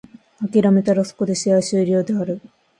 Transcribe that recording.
諦めたらそこで試合終了である。